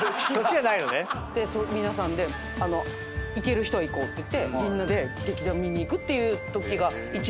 皆さんで行ける人は行こうっていってみんなで劇団見に行くっていうときが１２年。